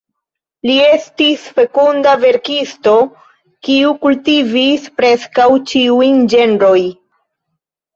Li estis fekunda verkisto, kiu kultivis preskaŭ ĉiujn ĝenrojn.